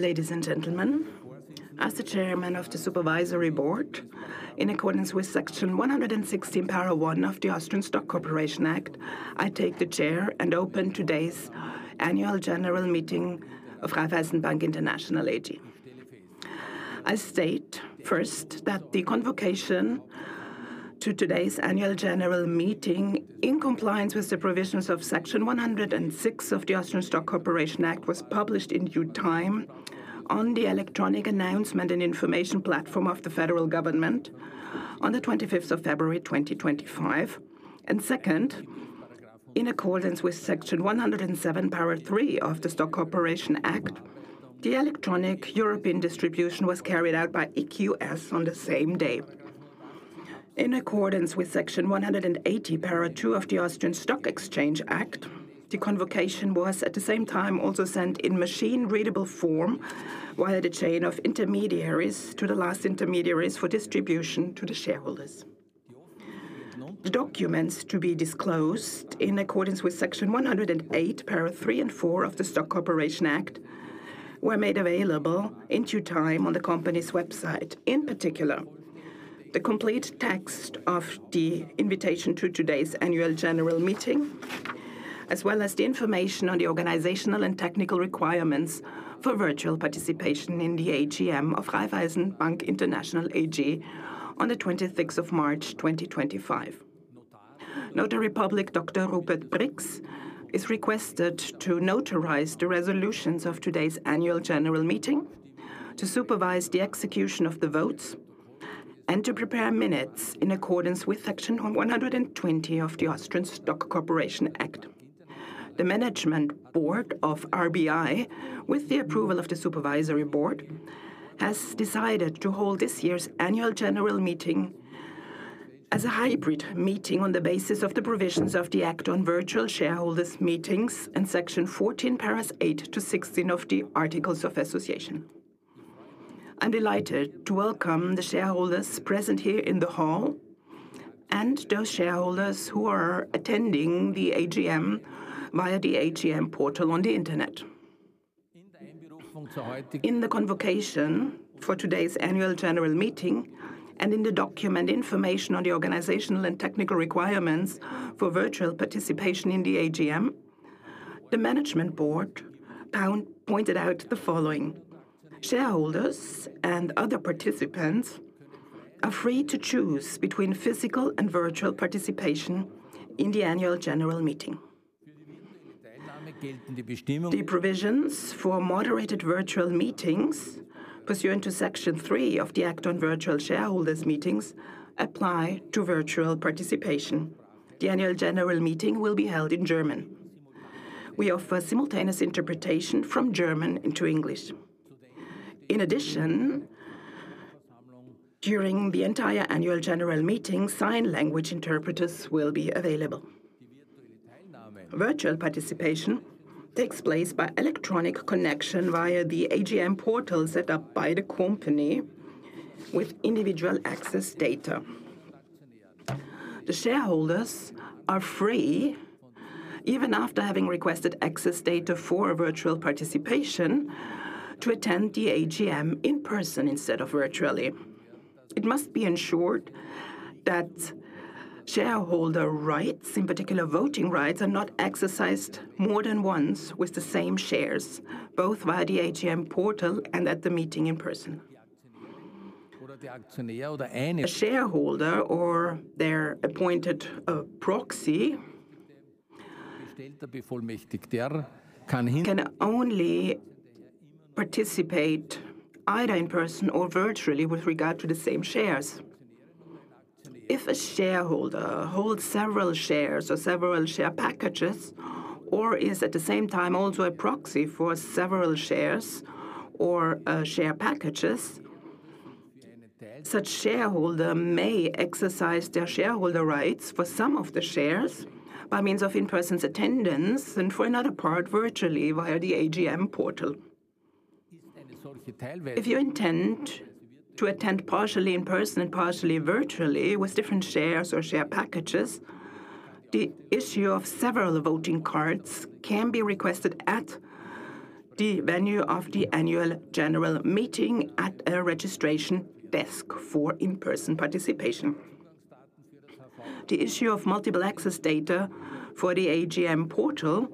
Ladies and gentlemen, as the Chairman of the Supervisory Board in accordance with section 116 paragraph one of the Austrian Stock Corporation Act, I take the chair and open today's Annual General Meeting of Raiffeisen Bank International AG. I state first that the convocation to today's Annual General Meeting in compliance with the provisions of section 106 of the Austrian Stock Corporation Act was published in due time on the electronic announcement and information platform of the Federal Government on 25 February 2025. Second, in accordance with section 107 paragraph three of the Stock Corporation Act, the electronic European distribution was carried out by EQS on the same day in accordance with section 180 paragraph two of the Austrian Stock Exchange Act. The convocation was at the same time also sent in machine readable form via the chain of intermediaries to the last intermediaries for distribution to the shareholders. The documents to be disclosed in accordance with Section 108 para three and four of the Stock Corporation Act were made available in due time on the Company's website. In particular, the complete text of the invitation to today's Annual General Meeting as well as the information on the organizational and technical requirements for virtual participation in the AGM of Raiffeisen Bank International AG on 26 March 2025, Notar Dr. Rupert Brix is requested to notarize the resolutions of today's Annual General Meeting to supervise the execution of the votes and to prepare minutes in accordance with Section 120 of the Austrian Stock Corporation Act. The Management Board of RBI, with the approval of the Supervisory Board, has decided to hold this year's Annual General Meeting as a hybrid meeting on the basis of the provisions of the Act on Virtual Shareholders Meetings and section 14 paragraphs 8-16 of the Articles of Association. I'm delighted to welcome the shareholders present here in the hall and those shareholders who are attending the AGM via the AGM portal on the Internet. In the convocation for today's Annual General Meeting and in the document Information on the Organizational and Technical Requirements for Virtual Participation in the AGM, the Management Board pointed out the shareholders and other participants are free to choose between physical and virtual participation in the Annual General Meeting. The provisions for moderated virtual meetings pursuant to section three of the Act on Virtual Shareholders Meetings apply to virtual participation. The Annual General Meeting will be held in German. We offer simultaneous interpretation from German into English. In addition, during the entire Annual General Meeting, sign language interpreters will be available. Virtual participation takes place by electronic connection via the AGM portal set up by the company with individual access data. The shareholders are free even after having requested access data for a virtual participation to attend the AGM in person instead of virtually. It must be ensured that shareholder rights, in particular voting rights, are not exercised more than once with the same shares, both via the AGM portal and at the meeting in person. A shareholder or their appointed proxy can only participate either in person or virtually with regard to the same shares. If a shareholder holds several shares or several share packages, or is at the same time also a proxy for several shares or share packages, such shareholders may exercise their shareholder rights for some of the shares by means of in-person's attendance and for another part virtually via the AGM portal. If you intend to attend partially in person and partially virtually with different shares or share packages, the issue of several voting cards can be requested at the venue of the Annual General Meeting at a registration desk for in-person participation. The issue of multiple access data for the AGM portal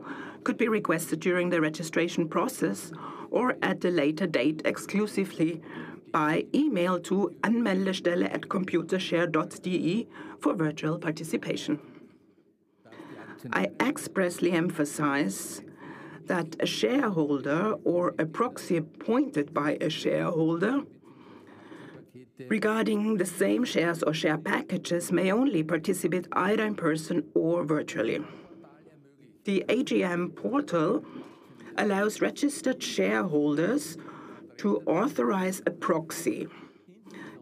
could be requested during the registration process or at a later date exclusively by email to anmeldestelle@computershare.de for virtual participation. I expressly emphasize that a shareholder or a proxy appointment by a shareholder regarding the same shares or share packages may only participate either in person or virtually. The AGM portal allows registered shareholders to authorize a proxy,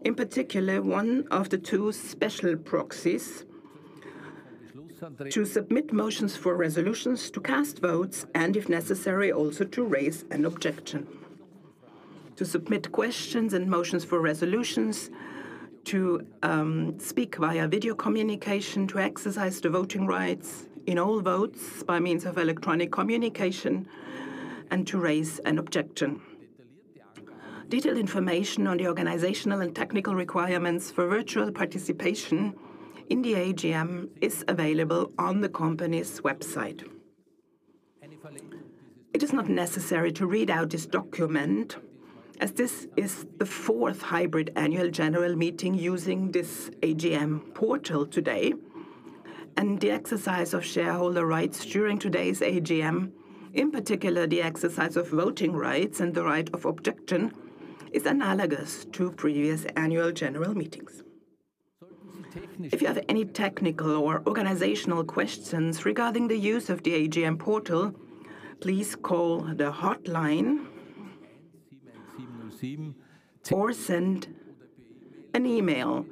in particular one of the two special proxies, to submit motions for resolutions, to cast votes and if necessary also to raise an objection, to submit questions and motions for resolutions, to speak via video communication, to exercise the voting rights in all votes by means of electronic communication and to raise an objection. Detailed information on the organizational and technical requirements for virtual participation in the AGM is available on the Company's website. It is not necessary to read out this document, as this is the fourth hybrid Annual General Meeting using this AGM portal today and the exercise of shareholder rights during today's AGM. In particular, the exercise of voting rights and the right of objection is analogous to previous Annual General Meetings. If you have any technical or organizational questions regarding the use of the AGM portal, please call the hotline or send an email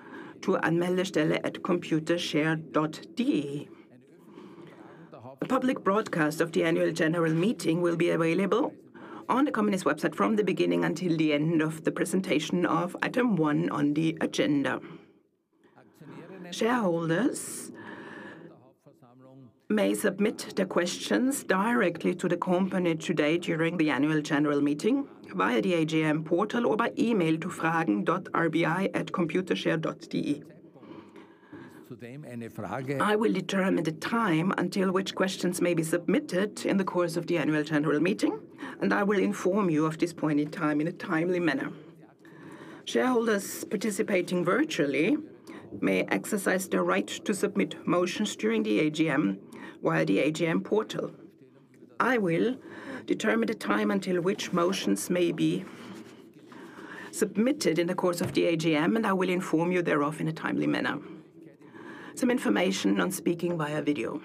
to anmeldung@computershare.de. A public broadcast of the Annual General Meeting will be available on the Company website from the beginning until the end of the presentation of Item one on the agenda. Shareholders may submit their questions directly to the company today during the Annual General Meeting via the AGM portal or by email to fragen.rbi@computershare.de. I will determine the time until which questions may be submitted in the course of the Annual General Meeting, and I will inform you of this point in time in a timely manner. Shareholders participating virtually may exercise their right to submit motions during the AGM via the AGM portal. I will determine the time until which motions may be submitted in the course of the AGM, and I will inform you thereof in a timely manner. Some information on speaking via video.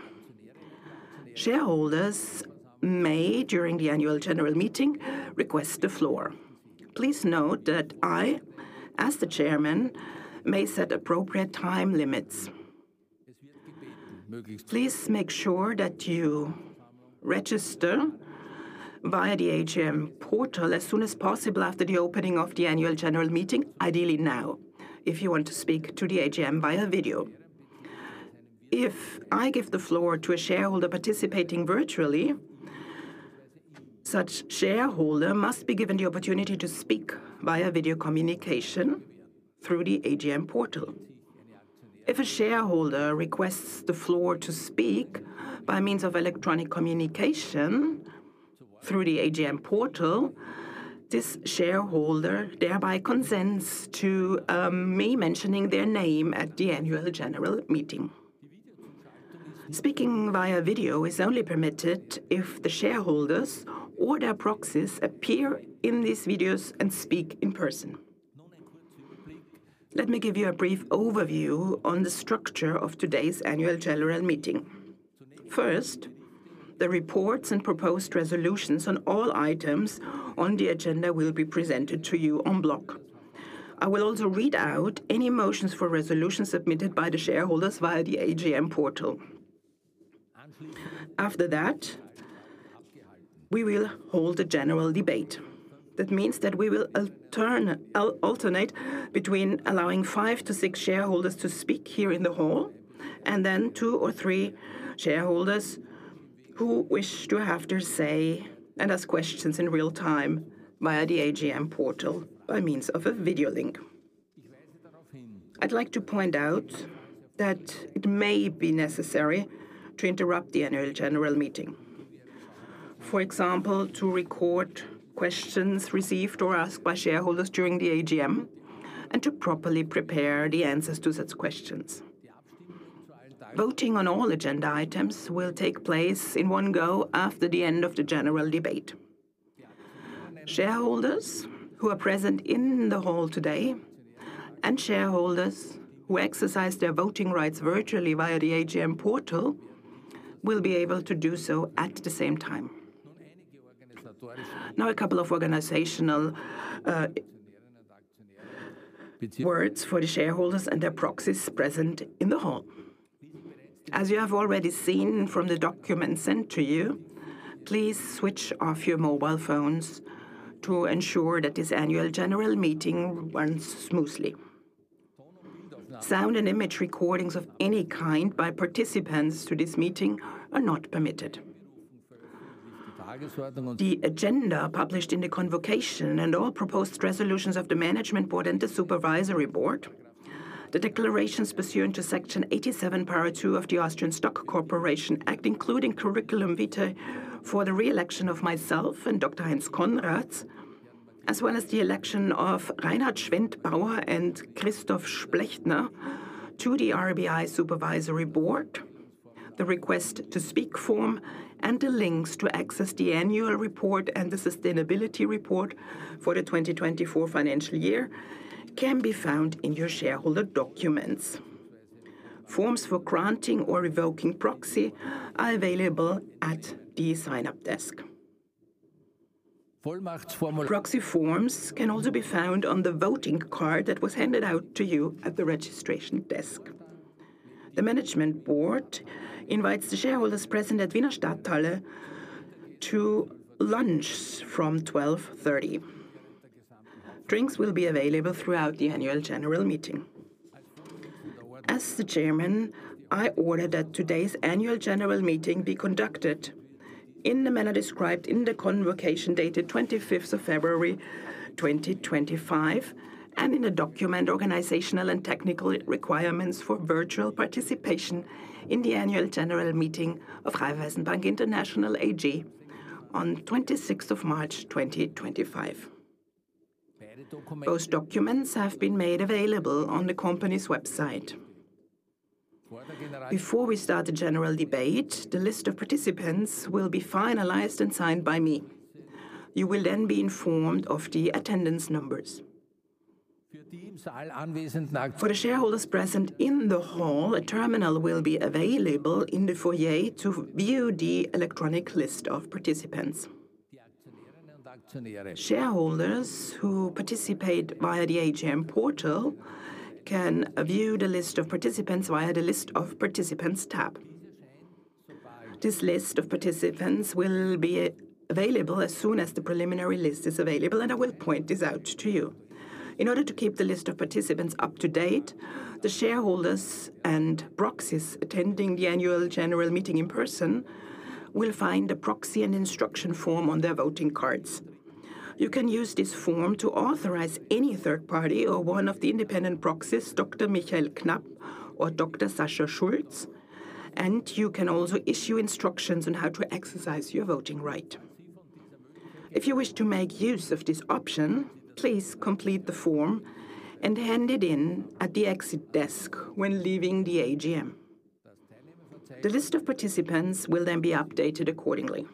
Shareholders may, during the Annual General Meeting, request the floor. Please note that I, as the Chairman, may set appropriate time limits. Please make sure that you register via the AGM portal as soon as possible after the opening of the Annual General Meeting, ideally now, if you want to speak to the AGM via video. If I give the floor to a shareholder participating virtually, such shareholders must be given the opportunity to speak via video communication through the AGM portal. If a shareholder requests the floor to speak by means of electronic communication through the AGM portal, this shareholder thereby consents to me mentioning their name at the Annual General Meeting. Speaking via video is only permitted if the shareholders or their proxies appear in these videos and speak in person. Let me give you a brief overview on the structure of today's Annual General Meeting. First, the reports and proposed resolutions on all items on the agenda will be presented to you en bloc. I will also read out any motions for resolutions submitted by the shareholders via the AGM portal. After that, we will hold a general debate. That means that we will alternate between allowing five to six shareholders to speak here in the hall and then two or three shareholders who wish to have their say and ask questions in real time via the AGM portal by means of a video link. I'd like to point out that it may be necessary to interrupt the Annual General Meeting, for example, to record questions received or asked by shareholders during the AGM and to properly prepare the answers to such questions. Voting on all agenda items will take place in one go after the end of the general debate. Shareholders who are present in the hall today and shareholders who exercise their voting rights virtually via the AGM portal will be able to do so at the same time. Now, a couple of organizational words for the shareholders and their proxies present in the hall, as you have already seen from the documents sent to you. Please switch off your mobile phones to ensure that this Annual General Meeting runs smoothly. Sound and image recordings of any kind by participants to this meeting are not permitted. The agenda published in the Convocation and all proposed resolutions of the Management Board and the Supervisory Board, the declarations pursuant to section 87, part two of the Austrian Stock Corporation Act, including curriculum vitae for the re-election of myself and Dr. Heinz Konrad as well as the election of Reinhard Schwendtbauer and Christof Splechtna to the RBI Supervisory Board. The Request to Speak form and the links to access the Annual Report and the Sustainability Report for the 2024 financial year can be found in your shareholder documents. Forms for granting or revoking proxy are available at the Sign Up Desk. Proxy forms can also be found on the voting card that was handed out to you at the registration desk. The Management Board invites the shareholders present at Wiener Stadthalle to lunch from 12:30. Drinks will be available throughout the Annual General Meeting. As the Chairman, I order that today's Annual General Meeting be conducted in the manner described in the convocation dated 25 February 2025 and in the document Organizational and Technical Requirements for Virtual Participation in the Annual General Meeting of Raiffeisen Bank International AG on 26 March 2025. Both documents have been made available on the Company's website. Before we start the general debate, the list of participants will be finalized and signed by me. You will then be informed of the attendance numbers. For the shareholders present in the hall, a terminal will be available in the foyer to view the electronic list of participants. Shareholders who participate via the AGM portal can view the list of participants via the List of Participants Tab. This list of participants will be available as soon as the preliminary list is available and I will point this out to you. In order to keep the list of participants up to date, the shareholders and proxies attending the Annual General Meeting in person will find a proxy and instruction form on their voting cards. You can use this form to authorize any third party or one of the independent proxies, Dr. Michael Knap or Dr. Sascha Schulz, and you can also issue instructions on how to exercise your voting right. If you wish to make use of this option, please complete the form and hand it in at the Exit Desk when leaving the AGM. The list of participants will then be updated accordingly.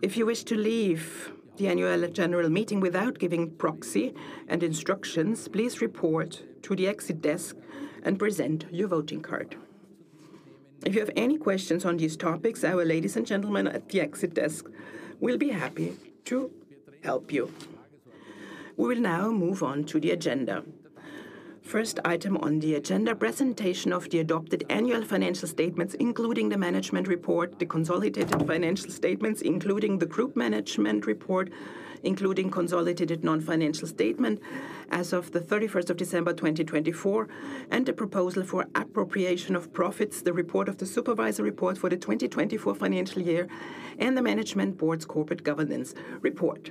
If you wish to leave the Annual General Meeting without giving proxy and instructions, please report to the Exit Desk and present your voting card. If you have any questions on these topics, our ladies and gentlemen at the Exit Desk will be happy to help you. We will now move on to the agenda. First item on the agenda, presentation of the adopted annual financial statements including the Management Report, the consolidated financial statements including the Group Management Report, including consolidated non-financial statement as of 31 December 2024, and the proposal for appropriation of profits, the report of the Supervisory Board for the 2024 financial year, and the Management Board's Corporate Governance Report.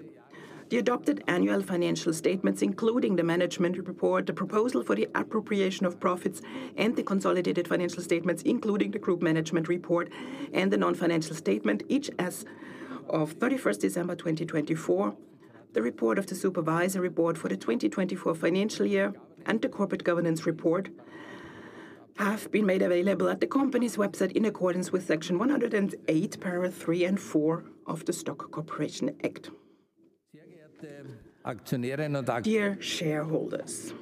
The adopted annual financial statements, including the Management Report, the proposal for the Appropriation of Profits, and the consolidated financial statements, including the Group Management Report and the non-financial statement, each as of 31 December 2024. The report of the Supervisory Board for the 2024 financial year and the Corporate Governance Report have been made available at the company's website in accordance with Section 108, para three and four of the Stock Corporation Act. Dear Shareholders,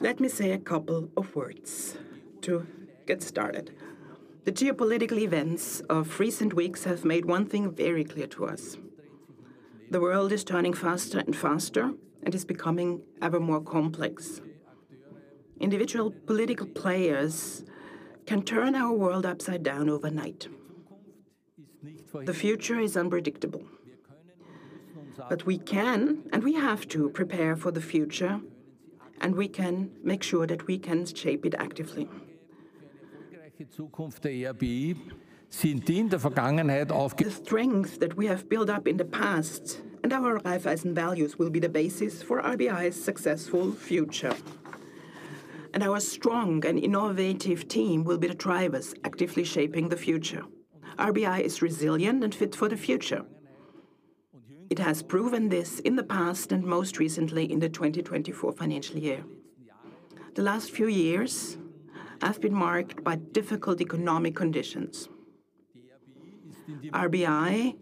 let me say a couple of words to get started. The geopolitical events of recent weeks have made one thing very clear to us. The world is turning faster and faster and is becoming ever more complex. Individual political players can turn our world upside down overnight. The future is unpredictable. We can, and we have to prepare for the future, and we can make sure that we can shape it actively. The strength that we have built up in the past and our life and values will be the basis for RBI's successful future and our strong and innovative team will be the drivers actively shaping the future. RBI is resilient and fit for the future. It has proven this in the past and most recently in the 2024 financial year. The last few years have been marked by difficult economic conditions. RBI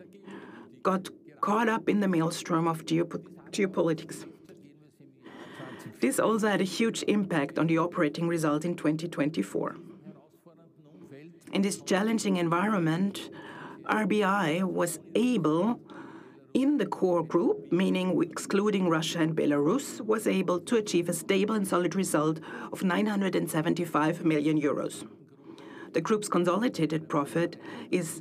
got caught up in the maelstrom of geopolitics. This also had a huge impact on the operating result in 2024. In this challenging environment, RBI was able in the Core Group, meaning excluding Russia and Belarus, was able to achieve a stable and solid result of 975 million euros. The group's consolidated profit is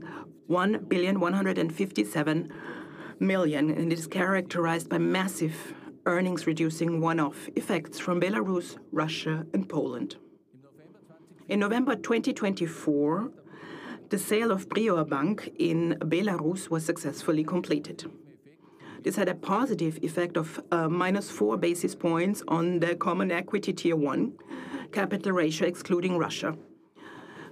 1,157,000,000 and is characterized by massive earnings reducing one-off effects from Belarus, Russia and Poland. In November 2024, the sale of Priorbank in Belarus was successfully completed. This had a positive effect of -4 basis points on the Common Equity Tier 1 capital ratio excluding Russia.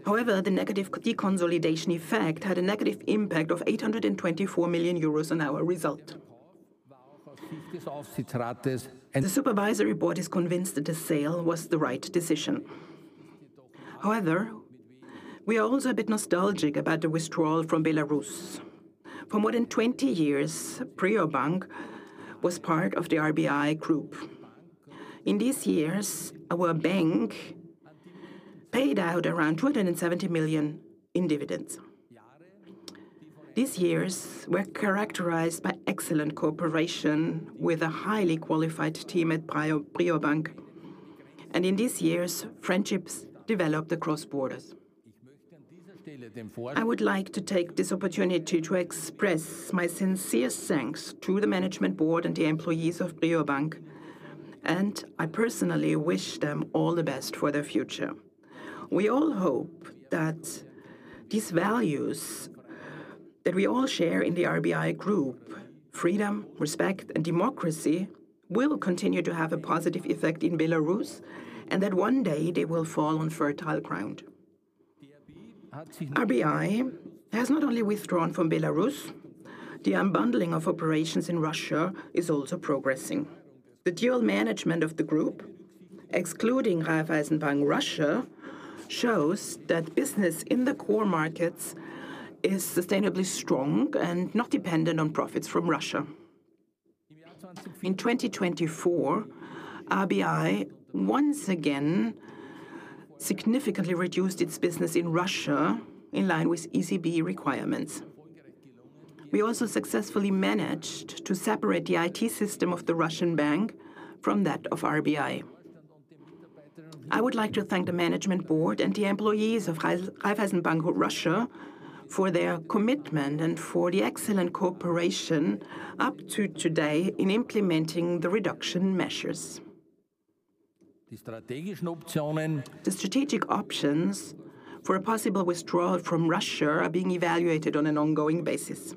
However, the negative deconsolidation effect had a negative impact of 824 million euros on our result. The Supervisory Board is convinced that the sale was the right decision. However, we are also a bit nostalgic about the withdrawal from Belarus. For more than 20 years Priorbank was part of the RBI Group. In these years, our bank paid out around 270 million in dividends. These years were characterized by excellent cooperation with a highly qualified team at Priorbank, and in these years friendships developed across borders. I would like to take this opportunity to express my sincere thanks to the Management Board and the employees of Priorbank, and I personally wish them all the best for their future. We all hope that these values that we all share in the RBI Group, freedom, respect and democracy, will continue to have a positive effect in Belarus and that one day they will fall on fertile ground. RBI has not only withdrawn from Belarus, the unbundling of operations in Russia is also progressing. The dual management of the group, excluding Raiffeisenbank Russia, shows that business in the core markets is sustainably strong and not dependent on profits from Russia. In 2024, RBI once again significantly reduced its business in Russia, in line with ECB requirements. We also successfully managed to separate the IT system of the Russian bank from that of RBI. I would like to thank the Management Board and the employees of Raiffeisenbank Russia for their commitment and for the excellent cooperation up to today in implementing the reduction measures. The strategic options for a possible withdrawal from Russia are being evaluated on an ongoing basis.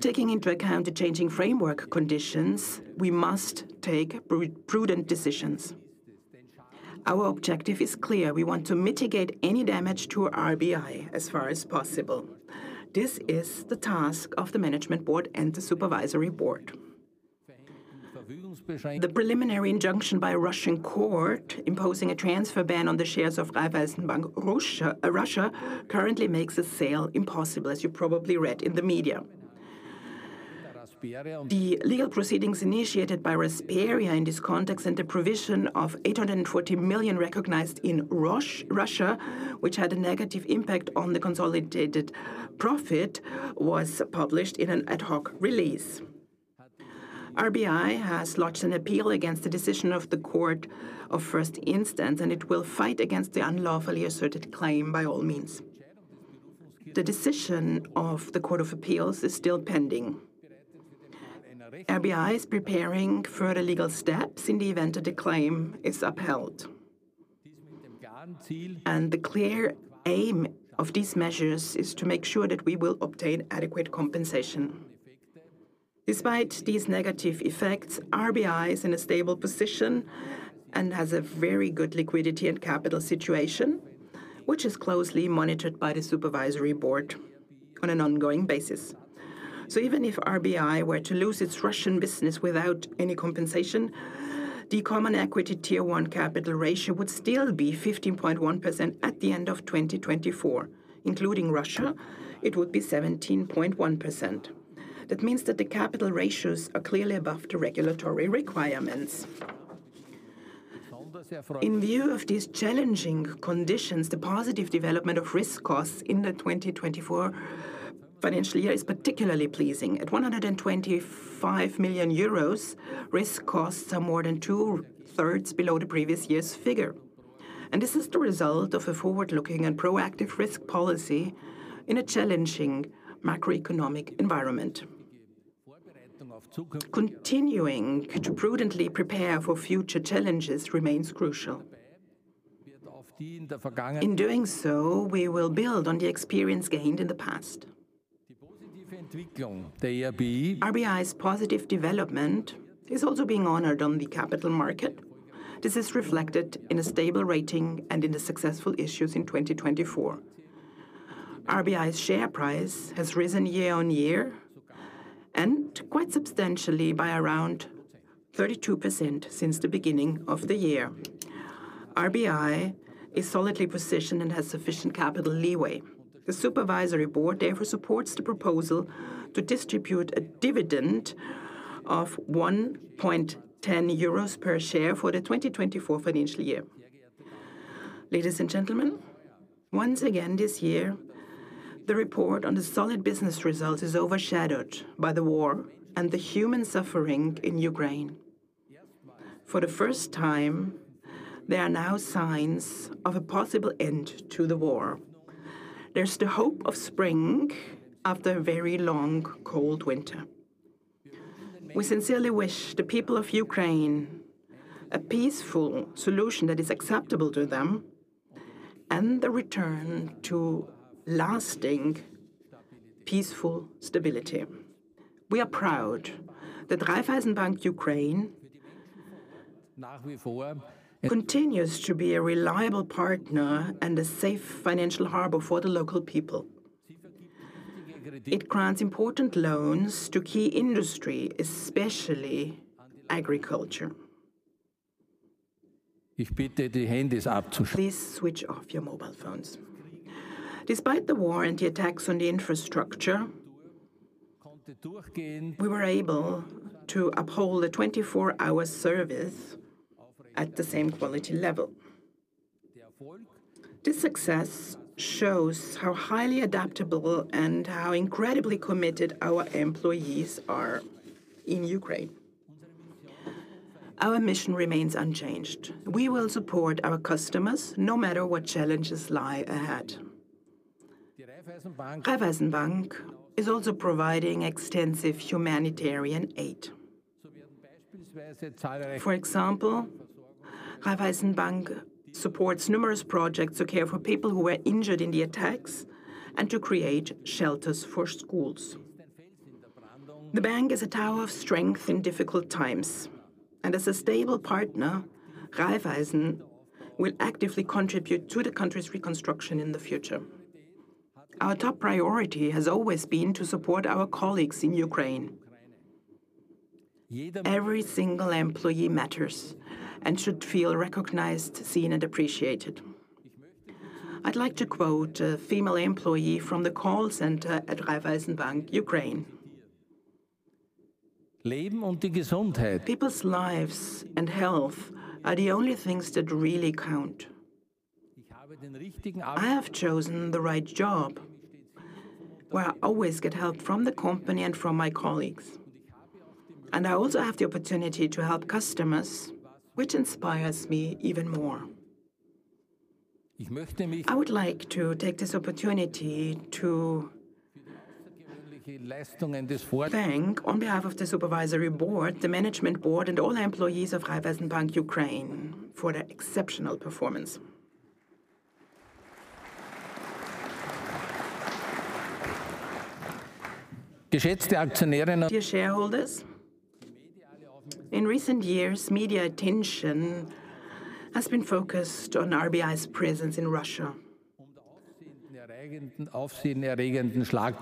Taking into account the changing framework conditions, we must take prudent decisions. Our objective is clear. We want to mitigate any damage to RBI as far as possible. This is the task of the Management Board and the Supervisory Board. The preliminary injunction by a Russian court imposing a transfer ban on the shares of Raiffeisenbank Russia currently makes a sale impossible as you probably read in the media. The legal proceedings initiated by Rasperia in this context and the provision of 840 million recognized in Raiffeisenbank Russia, which had a negative impact on the consolidated profit, was published in an ad hoc release. RBI has lodged an appeal against the decision of the Court of First Instance and it will fight against the unlawfully asserted claim by all means. The decision of the Court of Appeals is still pending. RBI is preparing further legal steps in the event that the claim is upheld and the clear aim of these measures is to make sure that we will obtain adequate compensation. Despite these negative effects, RBI is in a stable position and has a very good liquidity and capital situation which is closely monitored by the Supervisory Board on an ongoing basis. Even if RBI were to lose its Russian business without any compensation, the Common Equity Tier 1 capital ratio would still be 15.1% at the end of 2024. Including Russia, it would be 17.1%. That means that the capital ratios are clearly above the regulatory requirements. In view of these challenging conditions, the positive development of risk costs in the 2024 financial year is particularly pleasing, at 125 million euros, risk costs are more than 2/3 below the previous year's figure. This is the result of a forward-looking and proactive risk policy in a challenging macroeconomic environment. Continuing to prudently prepare for future challenges remains crucial. In doing so, we will build on the experience gained in the past. RBI's positive development is also being honored on the capital market. This is reflected in a stable rating and in the successful issues in 2024. RBI's share price has risen year-on-year and quite substantially by around 32% since the beginning of the year. RBI is solidly positioned and has sufficient capital leeway. The Supervisory Board therefore supports the proposal to distribute a dividend of 1.10 euros per share for the 2024 financial year. Ladies and gentlemen, once again this year the report on the solid business results is overshadowed by the war and the human suffering in Ukraine. For the first time, there are now signs of a possible end to the war. There's the hope of spring after a very long cold winter. We sincerely wish the people of Ukraine a peaceful solution that is acceptable to them and the return to lasting peaceful stability. We are proud that Raiffeisen Bank Ukraine continues to be a reliable partner and a safe financial harbor for the local people. It grants important loans to key industries, especially agriculture. Please switch off your mobile phones. Despite the war and the attacks on the infrastructure, we were able to uphold a 24-hour service at the same quality level. This success shows how highly adaptable and how incredibly committed our employees are in Ukraine. Our mission remains unchanged. We will support our customers no matter what challenges lie ahead. Raiffeisen Bank is also providing extensive humanitarian aid. For example, Raiffeisen Bank supports numerous projects to care for people who were injured in the attacks and to create shelters for schools. The bank is a tower of strength in difficult times and as a stable partner, Raiffeisen will actively contribute to the country's reconstruction in the future. Our top priority has always been to support our colleagues in Ukraine. Every single employee matters and should feel recognized, seen and appreciated. I would like to quote a female employee from the call center at Raiffeisen Bank Ukraine. People's lives and health are the only things that really count. I have chosen the right job where I always get help from the company and from my colleagues. I also have the opportunity to help customers, which inspires me even more. I would like to take this opportunity to thank on behalf of the Supervisory Board, the Management Board and all the employees of Raiffeisen Bank Ukraine for their exceptional performance. Dear shareholders, in recent years, media attention has been focused on RBI's presence in Russia.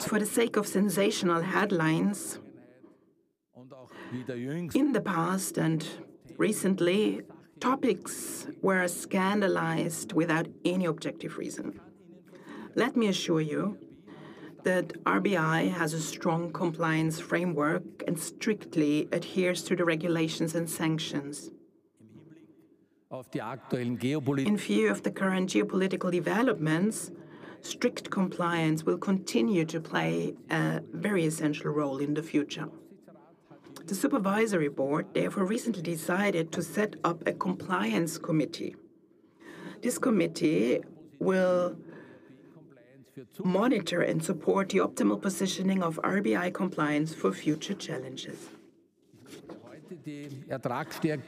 For the sake of sensational headlines, in the past and recently topics were scandalized without any objective reason. Let me assure you that RBI has a strong compliance framework and strictly adheres to the regulations and sanctions. In view of the current geopolitical developments, strict compliance will continue to play a very essential role in the future. The Supervisory Board therefore recently decided to set up a compliance committee. This committee will monitor and support the optimal positioning of RBI compliance for future challenges.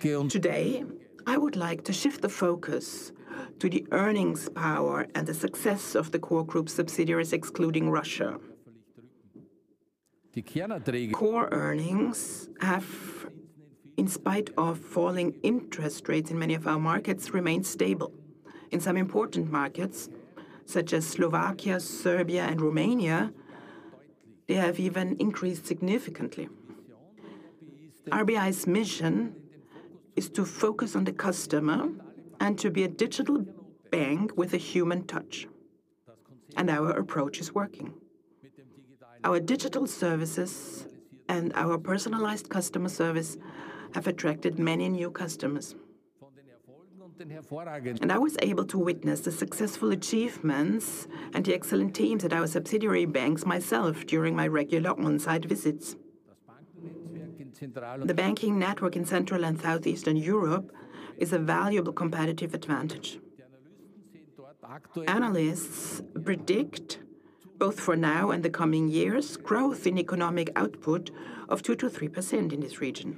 Today, I would like to shift the focus to the earnings power and the success of the Core Group subsidiaries, excluding Russia. Core earnings, in spite of falling interest rates in many of our markets, remained stable. In some important markets such as Slovakia, Serbia and Romania, they have even increased significantly. RBI's mission is to focus on the customer and to be a digital bank with a human touch and our approach is working. Our digital services and our personalized customer service have attracted many new customers and I was able to witness the successful achievements and the excellent teams at our subsidiary banks myself during my regular on-site visits. The banking network in Central and Southeastern Europe is a valuable competitive advantage. Analysts predict both for now and the coming years, growth in economic output of 2%-3% in this region.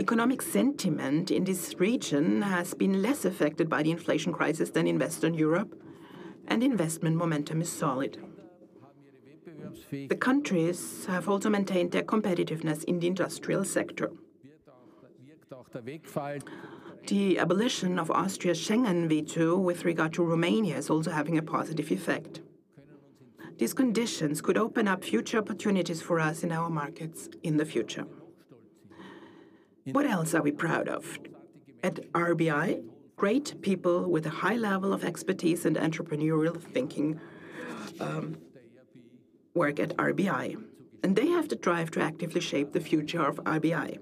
Economic sentiment in this region has been less affected by the inflation crisis than in Western Europe and investment momentum is solid. The countries have also maintained their competitiveness in the industrial sector. The abolition of Austria's Schengen veto with regard to Romania is also having a positive effect. These conditions could open up future opportunities for us in our markets in the future. What else are we proud of at RBI? Great people with a high level of expertise and entrepreneurial thinking work at RBI, and they have the drive to actively shape the future of RBI.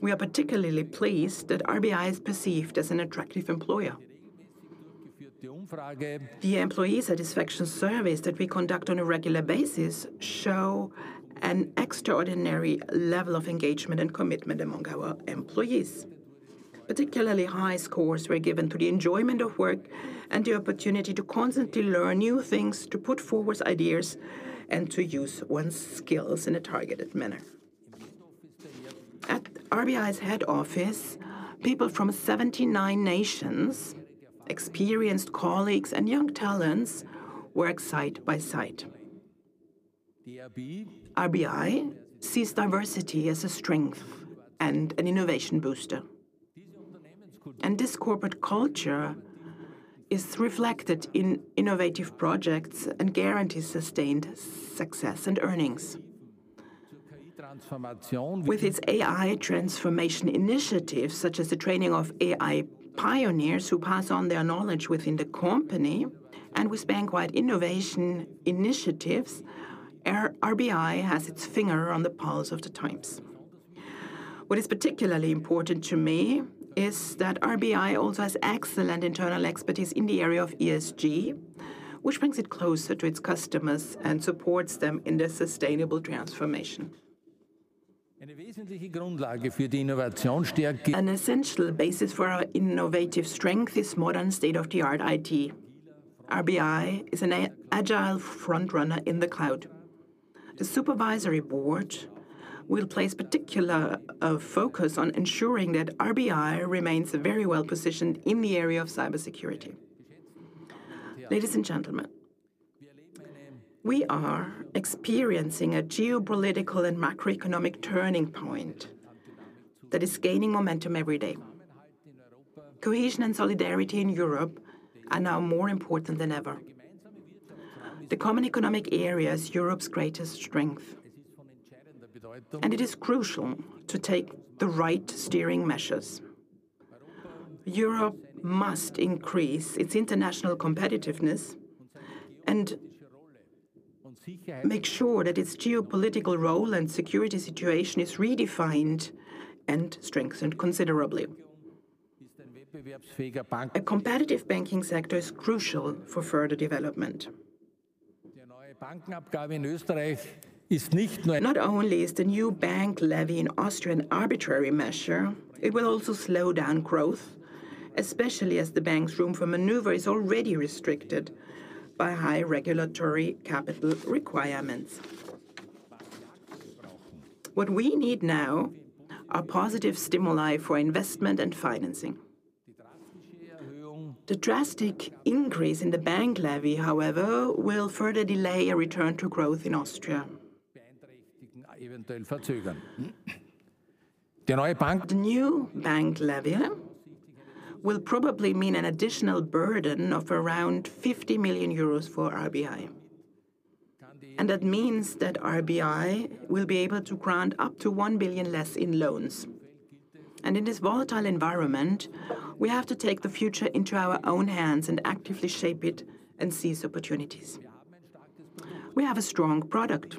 We are particularly pleased that RBI is perceived as an attractive employer. The employee satisfaction surveys that we conduct on a regular basis show an extraordinary level of engagement and commitment among our employees. Particularly high scores were given to the enjoyment of work and the opportunity to constantly learn new things, to put forward ideas and to use one's skills in a targeted manner. At RBI's head office, people from 79 nations, experienced colleagues and young talents work side by side. RBI sees diversity as a strength and an innovation booster, and this corporate culture is reflected in innovative projects and guarantees sustained success and earnings. With its AI transformation initiatives, such as the training of AI pioneers who pass on their knowledge within the company and with bank-wide innovation initiatives, RBI has its finger on the pulse of the times. What is particularly important to me is that RBI also has excellent internal expertise in the area of ESG, which brings it closer to its customers and supports them in their sustainable transformation. An essential basis for our innovative strength is modern state of the art IT. RBI is an agile frontrunner in the cloud. The Supervisory Board will place particular focus on ensuring that RBI remains very well positioned in the area of cybersecurity. Ladies and gentlemen, we are experiencing a geopolitical and macroeconomic turning point that is gaining momentum every day. Cohesion and solidarity in Europe are now more important than ever. The common economic area is Europe's greatest strength and it is crucial to take the right steering measures. Europe must increase its international competitiveness and make sure that its geopolitical role and security situation is redefined and strengthened considerably. A competitive banking sector is crucial for further development. Not only is the new bank levy in Austria an arbitrary measure, it will also slow down growth, especially as the bank's room for maneuver is already restricted by high regulatory capital requirements. What we need now are positive stimuli for investment and financing. The drastic increase in the bank levy, however, will further delay a return to growth in Austria. The new bank levy will probably mean an additional burden of around 50 million euros for RBI. That means that RBI will be able to grant up to 1 billion less in loans. In this volatile environment, we have to take the future into our own hands and actively shape it and seize opportunities. We have a strong product.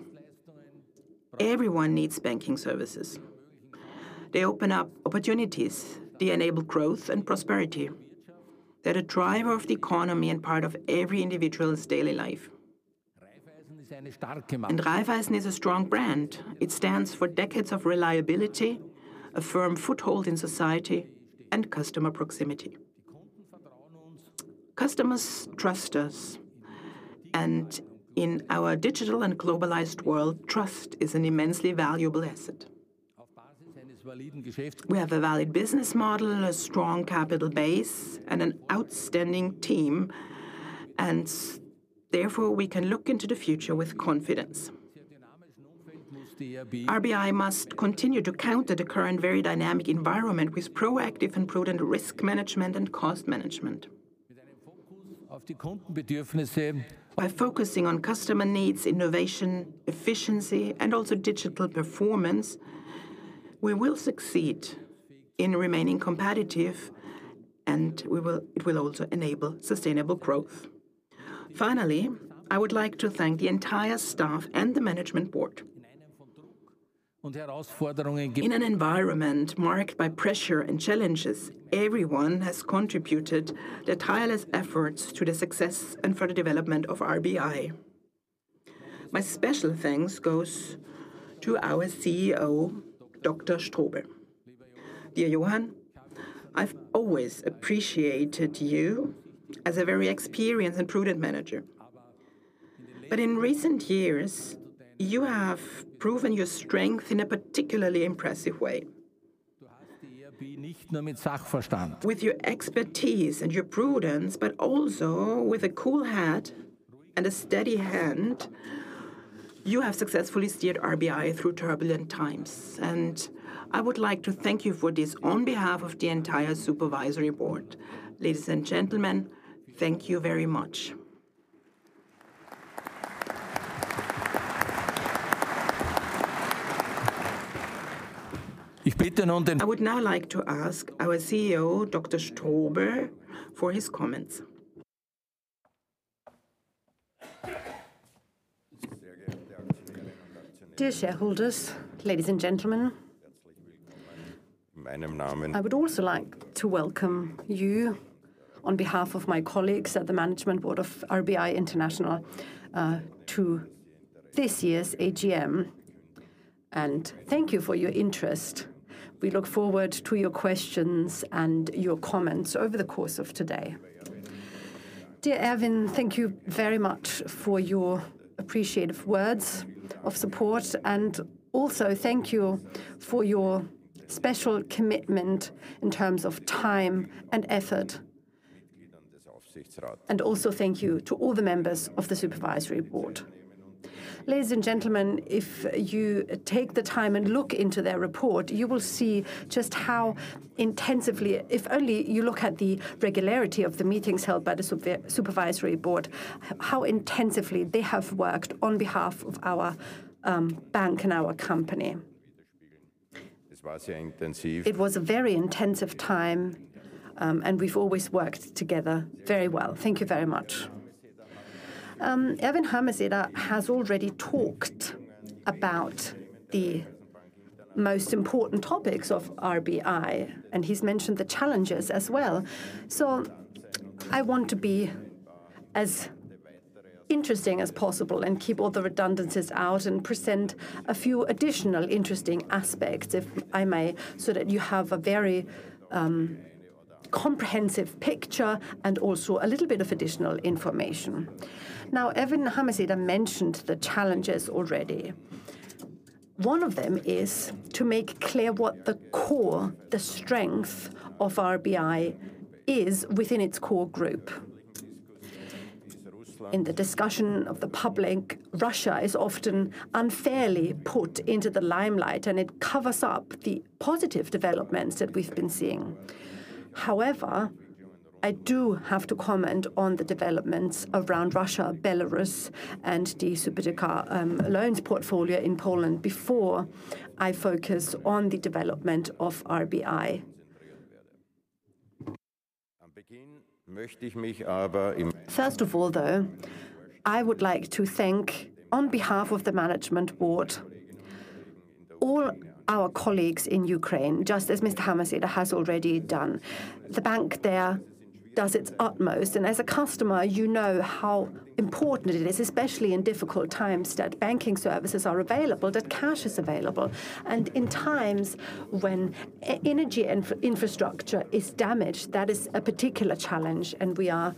Everyone needs banking services. They open up opportunities, they enable growth and prosperity. They are the driver of the economy and part of every individual's daily life. Raiffeisen is a strong brand. It stands for decades of reliability, a firm foothold in society and customer proximity. Customers trust us, and in our digital and globalized world, trust is an immensely valuable asset. We have a valid business model, a strong capital base and an outstanding team and therefore we can look into the future with confidence. RBI must continue to counter the current very dynamic environment with proactive and prudent risk management and cost management. By focusing on customer needs, innovation, efficiency, and also digital performance, we will succeed in remaining competitive and it will also enable sustainable growth. Finally, I would like to thank the entire staff and the Management Board. In an environment marked by pressure and challenges, everyone has contributed their tireless efforts to the success and for the development of RBI. My special thanks goes to our CEO, Dr. Strobl. Dear Johann, I have always appreciated you as a very experienced and prudent manager. In recent years, you have proven your strength in a particularly impressive way. With your expertise and your prudence but also with a cool head and a steady hand, you have successfully steered RBI through turbulent times and I would like to thank you for this on behalf of the entire Supervisory Board. Ladies and gentlemen, thank you very much. I would now like to ask our CEO, Dr. Strobl, for his comments. Dear shareholders, ladies and gentlemen, I would also like to welcome you on behalf of my colleagues at the Management Board of RBI International to this year's AGM. Thank you for your interest. We look forward to your questions and your comments over the course of today. Dear Erwin, thank you very much for your appreciative words of support and also thank you for your special commitment in terms of time and effort, and also thank you to all the members of the Supervisory Board. Ladies and gentlemen, if you take the time and look into their report, you will see just how intensively, if only you look at the regularity of the meetings held by the Supervisory Board, how intensively they have worked on behalf of our bank and our company. It was a very intensive time and we have always worked together very well. Thank you very much. Erwin Hameseder has already talked about the most important topics of RBI and he's mentioned the challenges as well. I want to be as interesting as possible and keep all the redundancies out and present a few additional interesting aspects, if I may, so that you have a very comprehensive picture and also a little bit of additional information. Now, Erwin Hameseder mentioned the challenges already. One of them is to make clear what the core, the strength of RBI is within its Core Group. In the discussion of the public, Russia is often unfairly put into the limelight, and it covers up the positive developments that we've been seeing. However, I do have to comment on the developments around Russia, Belarus and the Swiss franc loans portfolio in Poland before I focus on the development of RBI. First of all, though, I would like to thank on behalf of the Management Board all our colleagues in Ukraine just as Mr. Hameseder has already done. The bank there does its utmost, and as a customer, you know how important it is, especially in difficult times, that banking services are available, that cash is available, and in time when energy infrastructure is damaged, that is a particular challenge. We are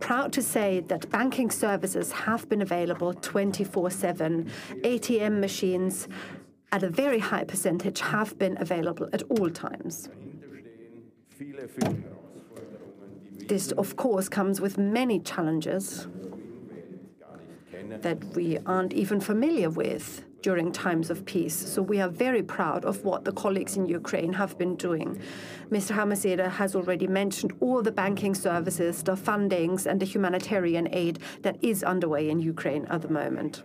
proud to say that banking services have been available 24/7, ATM machines at a very high percentage have been available at all times. This, of course, comes with many challenges that we are not even familiar with during times of peace, so we are very proud of what the colleagues in Ukraine have been doing. Mr. Hameseder has already mentioned all the banking services, the fundings and the humanitarian aid that is underway in Ukraine at the moment.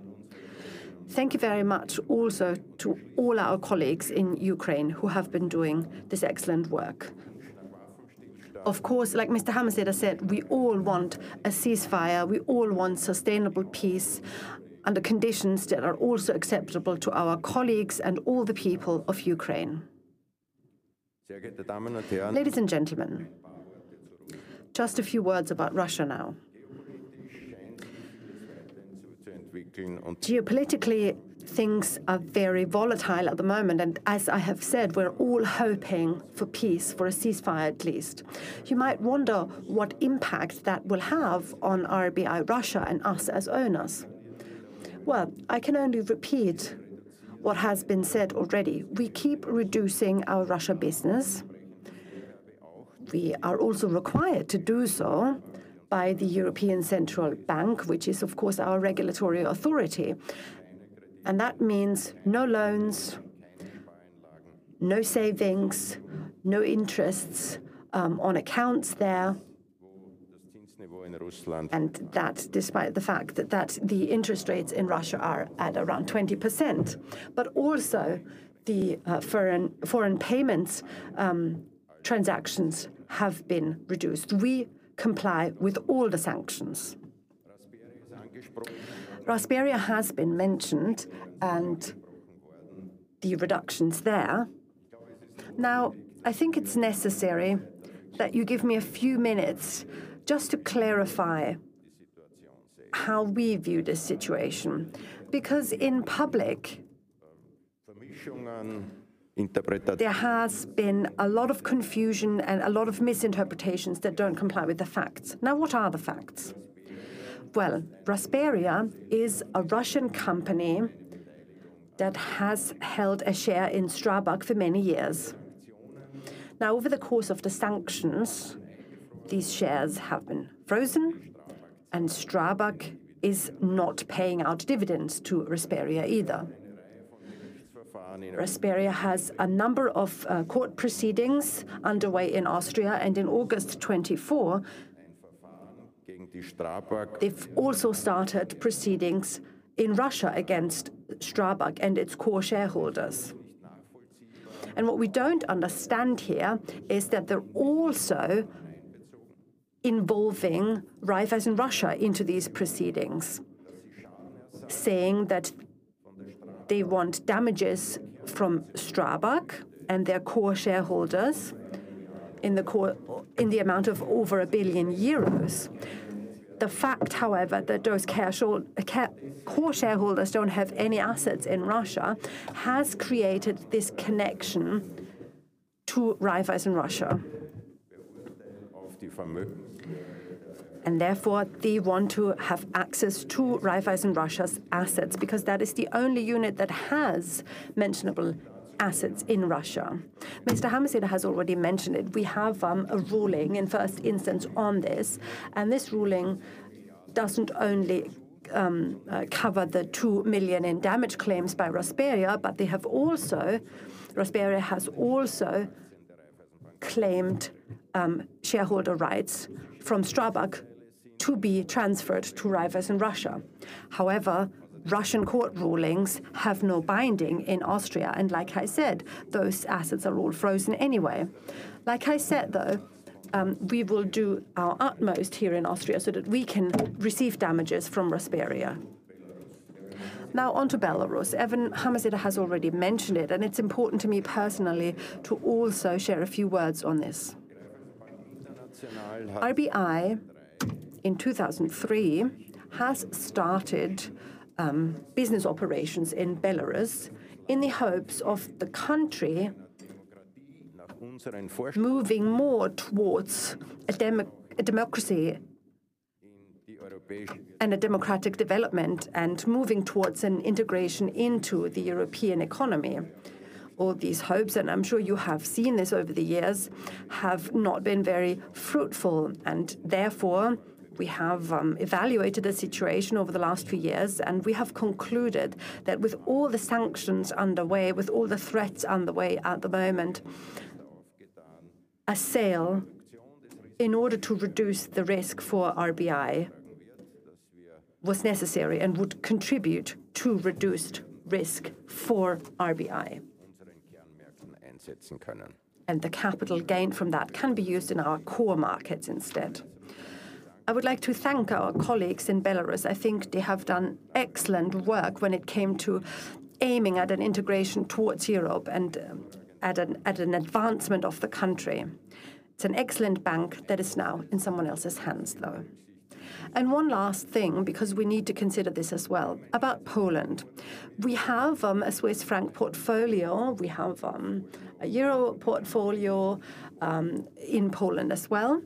Thank you very much also to all our colleagues in Ukraine who have been doing this excellent work. Of course, like Mr. Hameseder said, we all want a ceasefire. We all want sustainable peace under conditions that are also acceptable to our colleagues and all the people of Ukraine. Ladies and gentlemen, just a few words about Russia now. Geopolitically, things are very volatile at the moment, and as I have said, we're all hoping for peace, for a ceasefire at least. You might wonder what impact that will have on RBI Russia and us as owners. I can only repeat what has been said already. We keep reducing our Russia business. We are also required to do so by the European Central Bank, which is, of course, our regulatory authority. That means no loans, no savings, no interests on accounts there. That is despite the fact that the interest rates in Russia are at around 20%, but also the foreign payments transactions have been reduced. We comply with all the sanctions. Rasperia has been mentioned and the reductions there. Now, I think it's necessary that you give me a few minutes just to clarify how we view this situation, because in public, there has been a lot of confusion and a lot of misinterpretations that don't comply with the facts. Now, what are the facts? Rasperia is a Russian company that has held a share in Strabag for many years. Over the course of the sanctions, these shares have been frozen and Strabag is not paying out dividends to Rasperia either. Rasperia has a number of court proceedings underway in Austria, and in August 2024, they've also started proceedings in Russia against Strabag and its core shareholders. What we don't understand here is that they're also involving Raiffeisenbank Russia into these proceedings, saying that they want damages from Strabag and their core shareholders in the amount of over 1 billion euros. The fact, however, that those core shareholders don't have any assets in Russia has created this connection to Raiffeisenbank Russia. Therefore, they want to have access to Raiffeisenbank Russia's assets, because that is the only unit that has mentionable assets in Russia. Mr. Hameseder has already mentioned it. We have a ruling in first instance on this and this ruling doesn't only cover the 2 million in damage claims by Rasperia, but they have also, Rasperia has also claimed shareholder rights from Strabag to be transferred to Raiffeisenbank Russia. However, Russian court rulings have no binding in Austria, and like I said, those assets are all frozen anyway. Like I said, though, we will do our utmost here in Austria so that we can receive damages from Rasperia. Now on to Belarus. Erwin Hameseder has already mentioned it and it's important to me personally to also share a few words on this. RBI in 2003 has started business operations in Belarus in the hopes of the country moving more towards a democracy and a democratic development and moving towards an integration into the European economy. All these hopes, and I'm sure you have seen this over the years, have not been very fruitful. Therefore we have evaluated the situation over the last few years, and we have concluded that with all the sanctions underway, with all the threats underway at the moment, a sale in order to reduce the risk for RBI was necessary and would contribute to reduced risk for RBI and the capital gained from that can be used in our core markets instead. I would like to thank our colleagues in Belarus. I think they have done excellent work when it came to aiming at an integration towards Europe and at an advancement of the country. It's an excellent bank that is now in someone else's hands though. One last thing because we need to consider this as well about Poland. We have a Swiss franc portfolio, we have a Euro portfolio in Poland as well.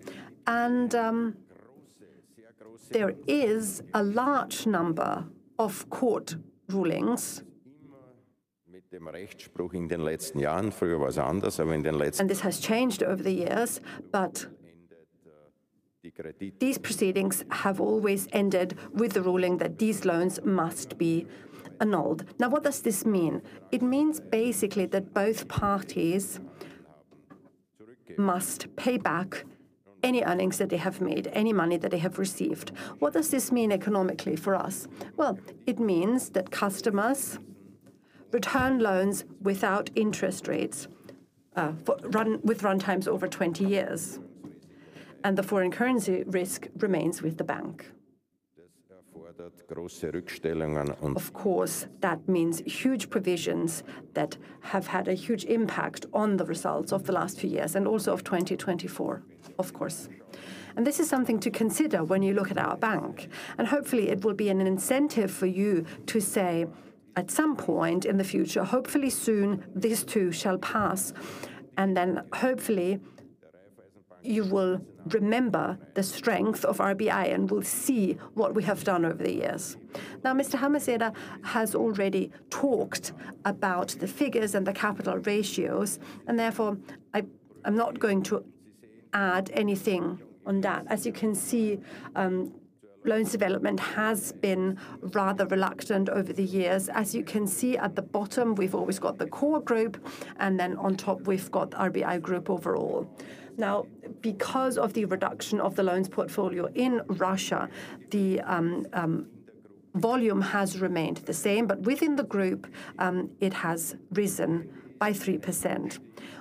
There is a large number of court rulings. This has changed over the years, but these proceedings have always ended with the ruling that these loans must be annulled. Now, what does this mean? It means basically that both parties must pay back any earnings that they have made, any money that they have received. What does this mean economically for us? It means that customers return loans without interest rates with runtimes over 20 years and the foreign currency risk remains with the bank. Of course, that means huge provisions that have had a huge impact on the results of the last few years and also of 2024, of course, and this is something to consider when you look at our bank and hopefully it will be an incentive for you to say at some point in the future, hopefully soon these too shall pass and then hopefully you will remember the strength of RBI and will see what we have done over the years. Now, Mr. Hameseder has already talked about the figures and the capital ratios and therefore I'm not going to add anything on that. As you can see, loans development has been rather reluctant over the years. As you can see, at the bottom we've always got the Core Group and then on top we've got RBI Group overall. Now, because of the reduction of the loans portfolio in Russia, the volume has remained the same, but within the group it has risen by 3%.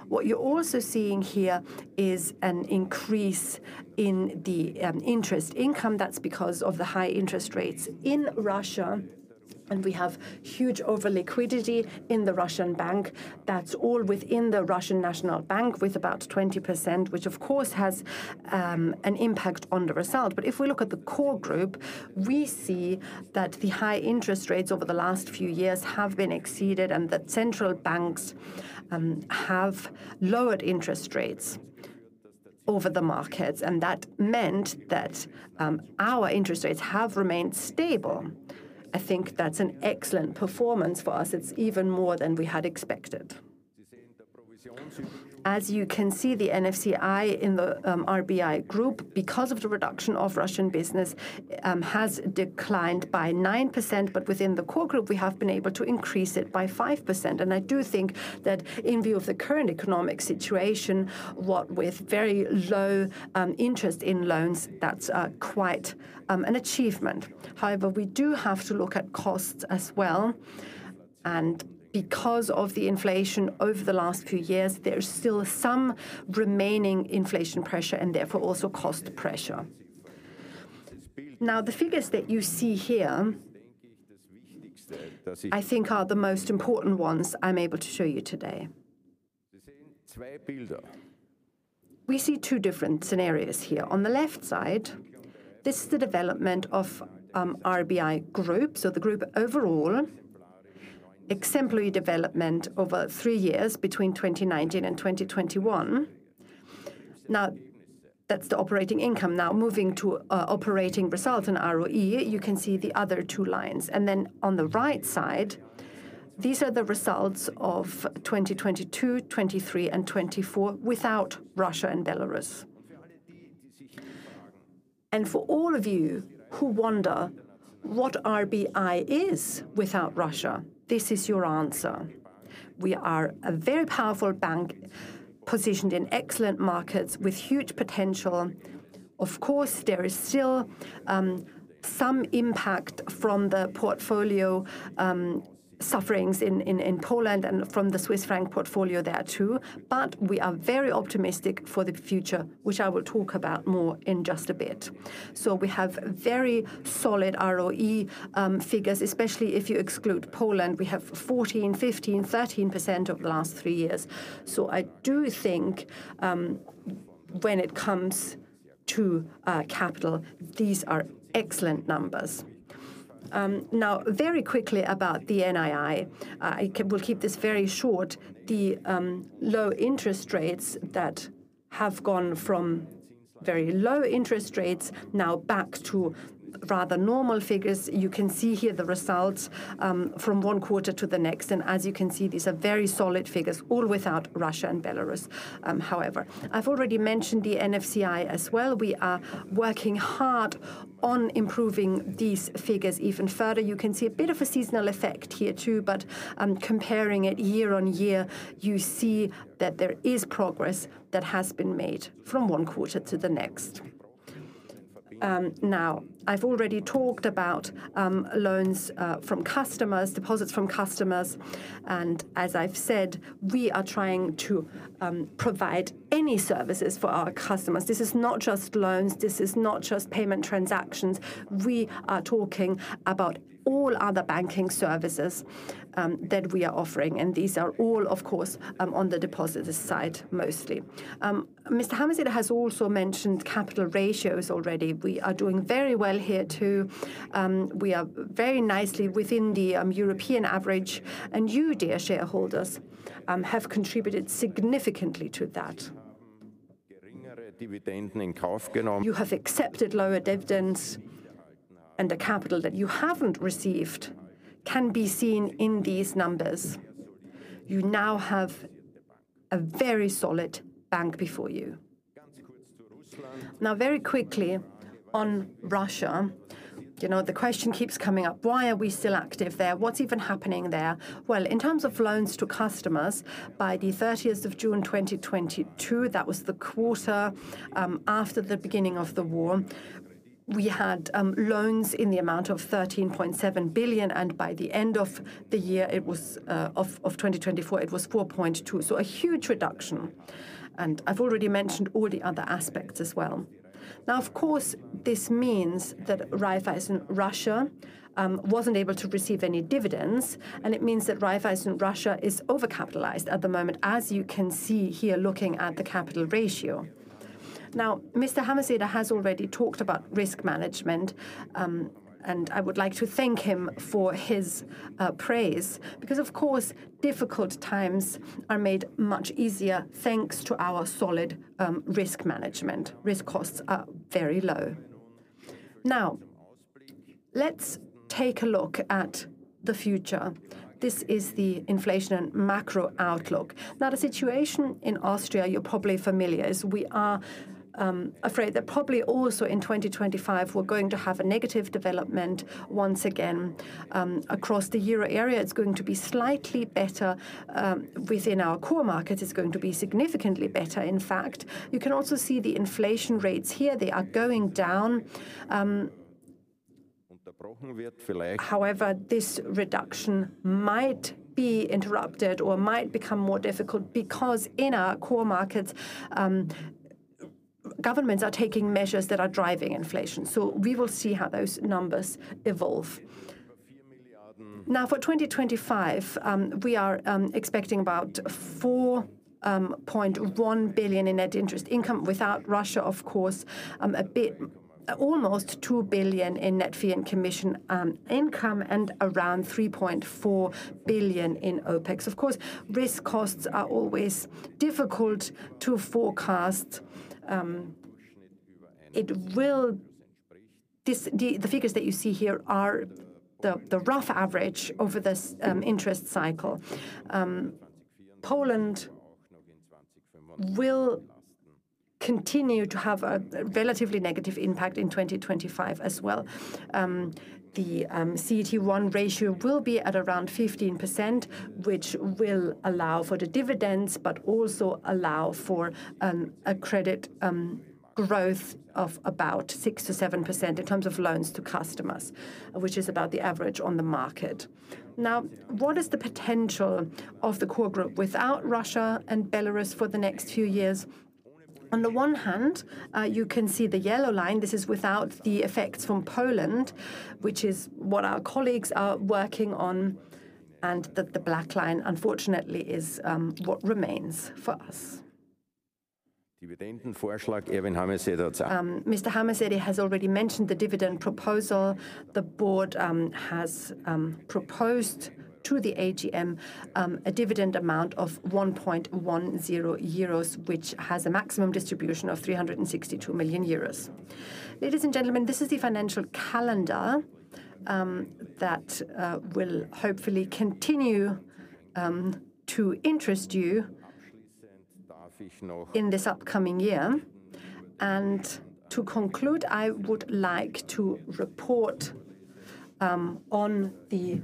What you're also seeing here is an increase in the interest income. That's because of the high interest rates in Russia and we have huge over-liquidity in the Russian bank. That's all within the Russian National Bank with about 20%, which of course has an impact on the result. If we look at the Core Group, we see that the high interest rates over the last few years have been exceeded and that central banks have lowered interest rates over the markets and that meant that our interest rates have remained stable. I think that's an excellent performance for us. It's even more than we had expected. As you can see, the NFCI in the RBI Group, because of the reduction of Russian business, has declined by 9%. Within the Core Group we have been able to increase it by 5%. I do think that in view of the current economic situation, what with very low interest in loans, that's quite an achievement. However, we do have to look at cost costs as well and because of the inflation over the last few years, there is still some remaining inflation pressure and therefore also cost pressure. Now, the figures that you see here, I think are the most important ones I'm able to show you today. We see two different scenarios here. On the left side, this is the development of RBI Group, the group overall exemplary development over three years between 2019 and 2021. Now that's the operating income. Now moving to operating result and ROE. You can see the other two lines. Then on the right side, these are the results of 2022, 2023, and 2024 without Russia and Belarus. For all of you who wonder what RBI is without Russia, this is your answer. We are a very powerful bank positioned in excellent markets with huge potential. Of course there is still some impact from the portfolio sufferings in Poland and from the Swiss franc portfolio there too, but we are very optimistic for the future, which I will talk about more in just a bit. We have very solid ROE figures, especially if you exclude Poland. We have 14%, 15%, 13% over the last three years. I do think when it comes to capital, these are excellent numbers. Now very quickly about the NII, I will keep this very short. The low interest rates that have gone from very low interest rates now back to rather normal figures. You can see here the results from one quarter to the next. As you can see, these are very solid figures, all without Russia and Belarus. However, I have already mentioned the NFCI as well. We are working hard on improving these figures even further. You can see a bit of a season effect here too but I'm comparing it year-on-year, you see that there is progress that has been made from one quarter to the next. Now I've already talked about loans from customers, deposits from customers, and as I've said, we are trying to provide any services for our customers. This is not just loans, this is not just payment transactions. We are talking about all other banking services that we are offering. These are all of course on the depositors' side mostly. Mr. Hameseder has also mentioned capital ratios already. We are doing very well here too. We are very nicely within the European average. You, dear shareholders, have contributed significantly to that. You have accepted lower dividends and the capital that you haven't received can be seen in these numbers. You now have a very solid bank before you. Now, very quickly on Russia, you know, the question keeps coming up, why are we still active there? What's even happening there? In terms of loans to customers, by the 30th of June 2022, that was the quarter after the beginning of the war, we had loans in the amount of 13.7 billion and by the end of the year 2024, it was 4.2 billion. A huge reduction. I've already mentioned all the other aspects as well. Of course, this means that Raiffeisenbank Russia was not able to receive any dividends and it means that Raiffeisenbank Russia is overcapitalized at the moment, as you can see here looking at the capital ratio. Now Mr. Hameseder has already talked about risk management and I would like to thank him for his praise because of course, difficult times are made much easier thanks to our solid risk management. Risk costs are very low. Now, let's take a look at the future. This is the inflation and macro outlook. Now the situation in Austria, you're probably familiar, is we are afraid that probably also in 2025 we're going to have a negative development once again across the euro area. It's going to be slightly better within our core markets. It's going to be significantly better. In fact, you can also see the inflation rates here. They are going up, down. However, this reduction might be interrupted or might become more difficult because in our core markets governments are taking measures that are driving inflation. We will see how those numbers evolve. Now for 2025 we are expecting about 4.1 billion in net interest income without Russia, of course, a bit almost 2 billion in net fee and commission income and around 3.4 billion in OpEx. Of course, risk costs are always difficult to forecast. The figures that you see here are the rough average over this interest cycle. Poland will continue to have a relatively negative impact in 2025 as well. The CET1 ratio will be at around 15%, which will allow for the dividends, but also allow for a credit growth of about 6-7% in terms of loans to customers, which is about the average on the market. Now, what is the potential of the Core Group without Russia and Belarus for the next few years? On the one hand, you can see the yellow line. This is without the effects from Poland, which is what our colleagues are working on. That black line, unfortunately, is what remains for us. Mr. Hameseder has already mentioned the dividend proposal. The Board has proposed to the AGM a dividend amount of 1.10 euros, which has a maximum distribution of 362 million euros. Ladies and gentlemen, this is the financial calendar that will hopefully continue to interest you in this upcoming year. To conclude, I would like to report on the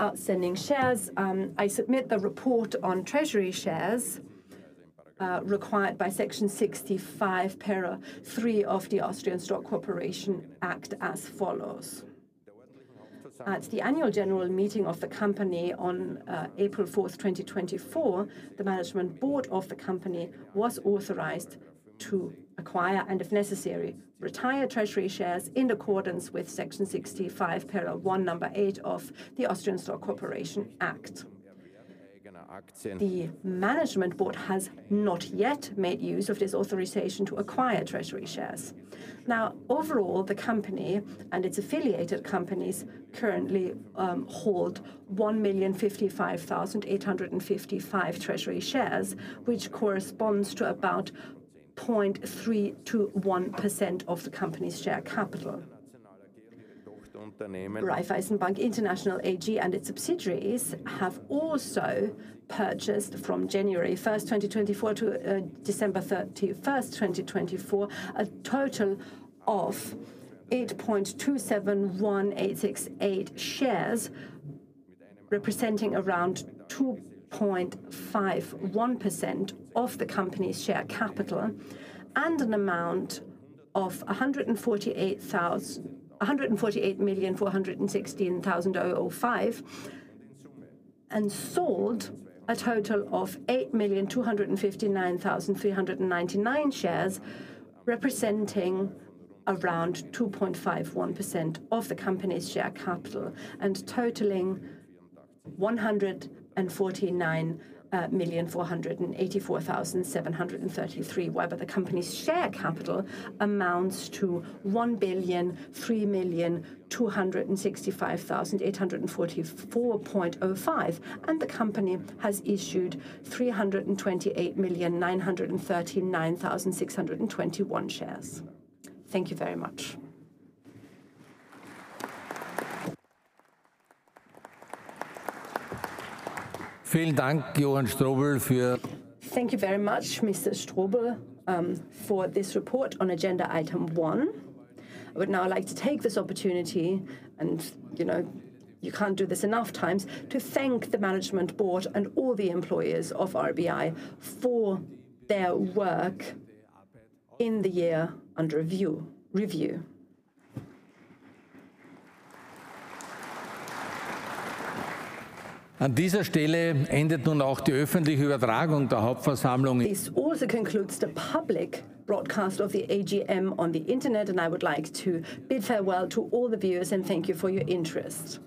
outstanding shares. I submit the report on treasury shares required by section 65, para three of the Austrian Stock Corporation Act as follows. At the Annual General Meeting of the company on April 4, 2024, the Management Board of the company was authorized to acquire and if necessary retire treasury shares in accordance with section 65, paragraph one number eight of the Austrian Stock Corporation Act. The Management Board has not yet made use of this authorization to acquire treasury shares. Now, overall, the company and its affiliated companies currently hold 1,055,855 treasury shares, which corresponds to about 0.31% of the company's share capital. Raiffeisen Bank International AG and its subsidiaries have also purchased from January 1, 2024 to December 31, 2024, a total of 8,271,868 shares, representing around 2.51% of the Company's share capital and an amount of 148,416,005 and sold a total of 8,259,399 shares, representing around 2.51% of the Company's share capital and totaling 149,484,733, whereby the Company's share capital amounts to 1,003,265,844.05 and the Company has issued 328,939,621 shares. Thank you very much. Thank you very much, Mr. Strobl, for this report on agenda item one. I would now like to take this opportunity and you know you can't do this enough times to thank the Management Board and all the employees of RBI for their work in the year under review. This also concludes the public broadcast of the AGM on the internet, and I would like to bid farewell to all the viewers and thank you for your interest.